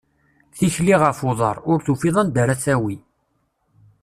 Tikli ɣef uḍar, ur tufiḍ anda ara t-tawi.